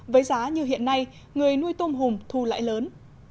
với giá như hiện nay người nuôi tôm hùm thu lại lớn